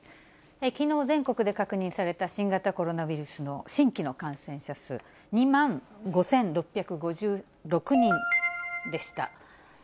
きのう、全国で確認された新型コロナウイルスの新規の感染者数、２万５６５６人でした。